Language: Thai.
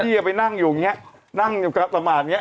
ของที่แกไปนั่งอยู่อย่างนี้นั่งสมาธิอย่างงี้